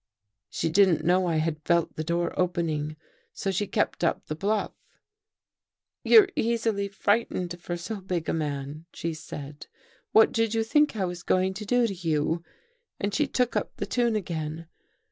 " She didn't know I had felt the door opening, so she kept up the bluff. ' You're easily frightened for so big a man,' she said. ' What did you think I was going to do to you ?' and she took up the tune again.